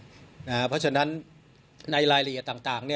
เพราะฉะนั้นในรายละเอียดต่าง